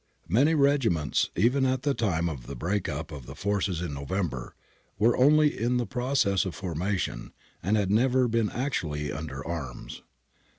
Many regiments, even at the time of the break up of the forces in November, were only in process of formation, and had never been actually under arms {Risorg.